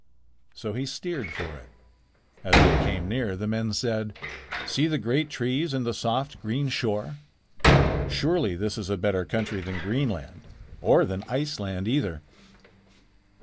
So he steered for it. As they came near, the men said: "See the great trees and the soft, green shore. Surely this is a better country than Greenland or than Iceland either."